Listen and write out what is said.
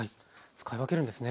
使い分けるんですね